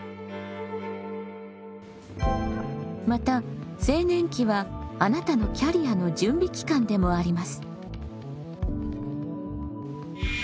また青年期はあなたのキャリアの準備期間でもあります。